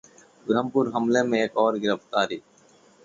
उधमपुर हमले में एक और गिरफ्तारी